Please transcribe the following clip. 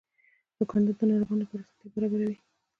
دوکاندار د ناروغانو لپاره اسانتیا برابروي.